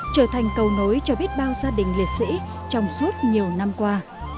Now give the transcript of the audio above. trở thành cầu nối cho biết bao gia đình liệt sĩ trong suốt nhiều năm qua